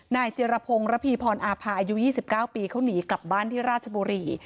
เจรพงศ์ระพีพรอาภาอายุ๒๙ปีเขาหนีกลับบ้านที่ราชบุรี